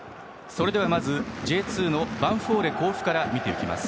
それではまずＪ２のヴァンフォーレ甲府から見ていきます。